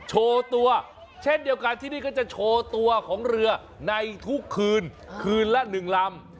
โชว์ตัวเช่นเดียวกันที่นี่ก็จะโชว์ตัวของเรือในทุกคืนคืนละ๑ลำ